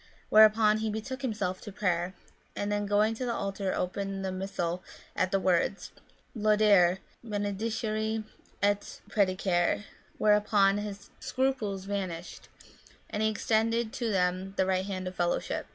Whereupon he betook himself to prayer ; and then going to the altar opened the Missal at the words, " Laudare, benedicere, et predicare," whereupon his scruples vanished, and he extended to them the right hand of fellowship.